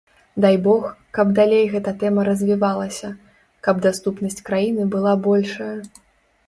Дай бог, каб далей гэта тэма развівалася, каб даступнасць краіны была большая.